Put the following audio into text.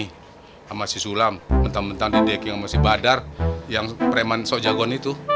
sama si sulam mentang mentang dideking sama si badar yang preman sok jagon itu